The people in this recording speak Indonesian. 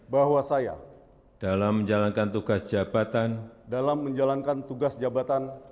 bahwa saya dalam menjalankan tugas jabatan